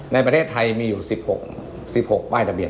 ในประเทศไทยมีอยู่๑๖๑๖ป้ายทะเบีย